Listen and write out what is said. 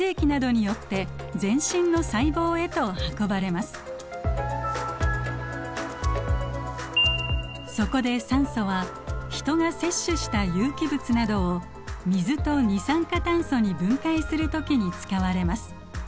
息をすることでそこで酸素はヒトが摂取した有機物などを水と二酸化炭素に分解する時に使われます。